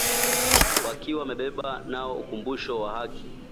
wakiwa wamebeba nao ukumbusho wa haki